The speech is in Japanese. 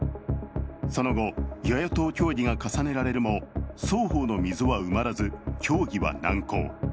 その後、与野党協議が重ねられるも双方の溝は埋まらず協議は難航。